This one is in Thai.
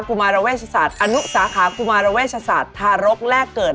ุมารเวชศาสตร์อนุสาขากุมารเวชศาสตร์ทารกแลกเกิด